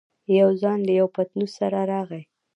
يو ځوان له يوه پتنوس سره راغی.